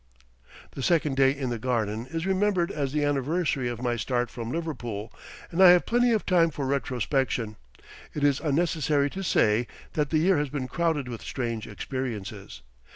The second day in the garden is remembered as the anniversary of my start from Liverpool, and I have plenty of time for retrospection. It is unnecessary to say that the year has been crowded with strange experiences.